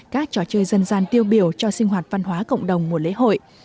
các trò chơi dân gian tiêu biểu cho sinh hoạt văn hóa cộng đồng mùa lễ hội